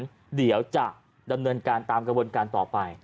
เดี๋ยวจะดำเนินการตามกระบวนการต่อไป